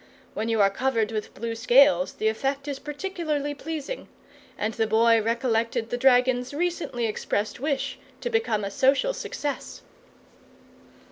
When you are covered with blue scales, the effect is particularly pleasing; and the Boy recollected the dragon's recently expressed wish to become a social success.